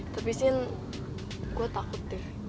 tapi sih gue takut deh